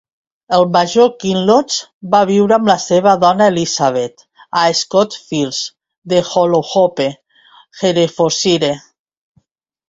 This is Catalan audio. El major Kinloch va viure amb la seva dona Elizabeth a Scotch Firs de Fownhope, Herefordshire.